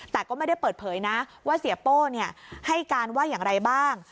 แต่ก็ไม่ได้เปิดเผยนะว่าเสียโป้ให้การว่าอย่างไรบ้าง